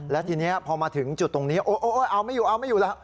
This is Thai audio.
และทีนี้พอมาถึงจุดตรงนี้เอาไม่อยู่เอาไม่อยู่แล้ว